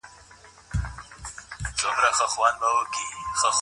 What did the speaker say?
په دغه غونډې کي د حضرت عمر یاد وسو.